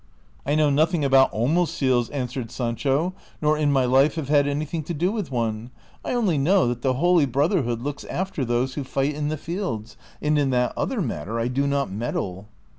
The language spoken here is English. " I know nothing about omecils," ^ answered Sancho, " nor in my life have had anything to do with one ; I only know that the Holy Brotherhood looks after those who fight in the fields, and in that other matter I do not meddle."